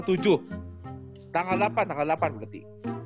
tanggal delapan tanggal delapan berarti